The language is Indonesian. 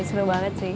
seru banget sih